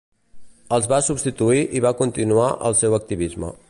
Els va substituir i va continuar el seu activisme.